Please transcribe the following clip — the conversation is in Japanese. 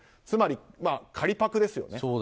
つまり借りパクですよね。